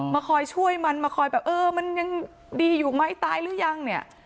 คอยช่วยมันมาคอยแบบเออมันยังดีอยู่ไหมตายหรือยังเนี่ย